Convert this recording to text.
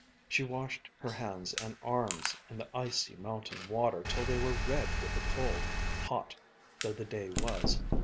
She washed her hands and arms in the icy mountain water till they were red with the cold, hot though the day was.